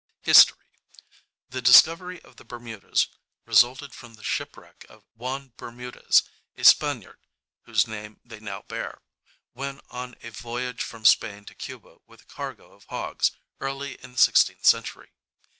History.—The discovery of the Bermudas resulted from the shipwreck of Juan Bermudez, a Spaniard (whose name they now bear), when on a voyage from Spain to Cuba with a cargo of hogs, early in the 16th century.